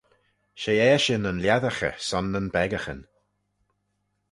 She eshyn yn lhiassaghey son nyn beccaghyn.